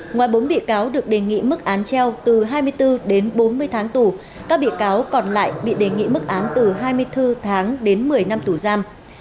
ngoài bốn bị cáo được đề nghị mức án treo từ hai mươi bốn đến bốn mươi tháng tù các bị cáo còn lại bị đề nghị mức án từ hai mươi bốn tháng đến một mươi năm tù giam